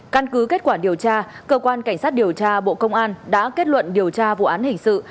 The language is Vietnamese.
căn cứ kết quả điều tra cơ quan cảnh sát điều tra bộ công an đã kết luận điều tra vụ án hình sự